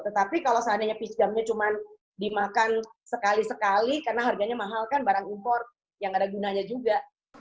tetapi kalau seandainya peach gumnya cuma dimakan sekali sekali karena harganya mahal kan barang impor yang ada gunanya juga